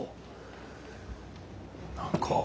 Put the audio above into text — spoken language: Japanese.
何か。